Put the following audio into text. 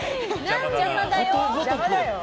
邪魔だな。